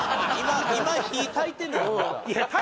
今火たいてんねんまた。